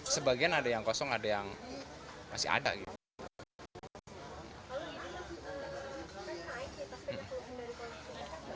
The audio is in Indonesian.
sebagian ada yang kosong ada yang masih ada gitu